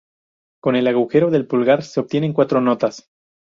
Con el agujero del pulgar se obtienen cuatro notas.